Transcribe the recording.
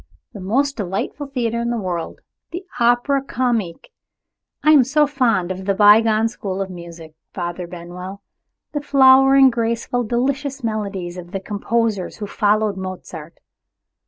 The most delightful theater in the world the Opera Comique. I am so fond of the bygone school of music, Father Benwell the flowing graceful delicious melodies of the composers who followed Mozart.